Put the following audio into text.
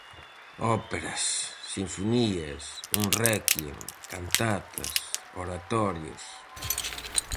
Óperas, sinfonías, un réquiem, cantatas, oratorios...